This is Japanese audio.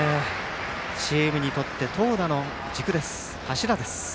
チームにとって投打の軸、柱です。